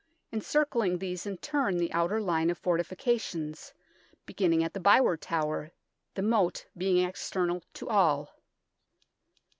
Encircling these hi turn the outer line of fortifications, beginning at the Byward Tower, the moat being external to all.